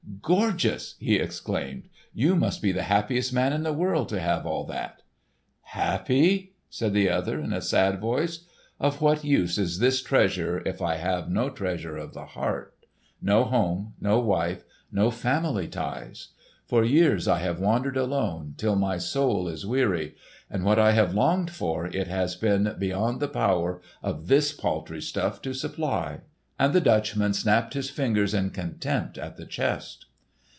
"Gorgeous!" he exclaimed. "You must be the happiest man in the world to have all that!" "Happy?" said the other, in a sad voice. "Of what use is this treasure if I have no treasure of the heart—no home, no wife, no family ties? For years I have wandered alone, till my soul is weary; and what I have longed for, it has been beyond the power of this paltry stuff to supply!" And the Dutchman snapped his fingers in contempt at the chest.